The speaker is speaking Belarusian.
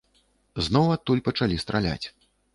Зноў адтуль пачалі страляць.